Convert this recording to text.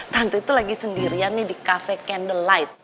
tante itu lagi sendirian nih di cafe candlelight